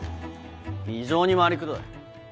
非常に回りくどい。